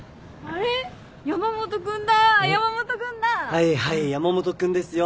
はいはい山本君ですよ。